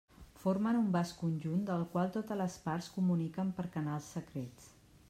Formen un vast conjunt del qual totes les parts comuniquen per canals secrets.